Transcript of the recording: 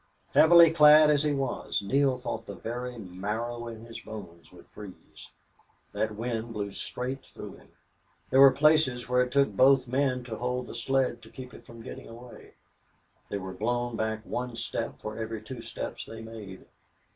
Heavily clad as he was, Neale thought the very marrow in his bones would freeze. That wind blew straight through him. There were places where it took both men to hold the sled to keep it from getting away. They were blown back one step for every two steps they made.